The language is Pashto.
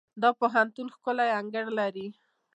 دا پوهنتون ښکلی انګړ لري.